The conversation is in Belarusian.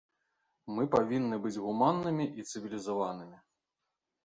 Мы павінны быць гуманнымі і цывілізаванымі.